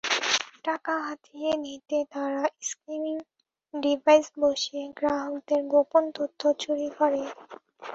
টাকা হাতিয়ে নিতে তারা স্কিমিং ডিভাইস বসিয়ে গ্রাহকদের গোপন তথ্য চুরি করে।